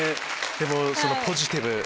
そのポジティブ。